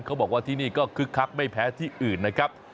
เขาบอกว่าที่นี่ก็คึกคักไม่แพ้ที่อื่นนะครับ